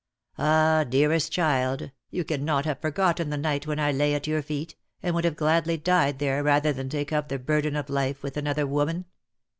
Ah, dearest child, you cannot have forgotten the night when I lay at your feet, and would have gladly died there rather than take up the burden of life with another woman.